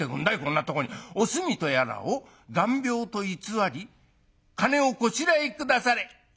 『おすみとやらを眼病と偽り金をこしらえ下され』。